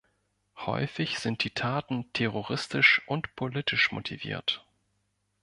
Häufig sind die Taten terroristisch und politisch motiviert.